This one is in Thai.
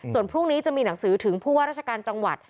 ส่วนพรุ่งนี้จะมีหนังสือถึงผู้ว่าราชการจังหวัด